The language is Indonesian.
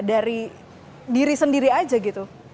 dari diri sendiri aja gitu